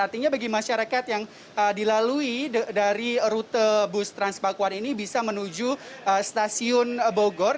artinya bagi masyarakat yang dilalui dari rute bus transpakuan ini bisa menuju stasiun bogor